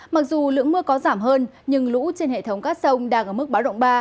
mặc dù lượng mưa có giảm hơn nhưng lũ trên hệ thống các sông đang ở mức báo động ba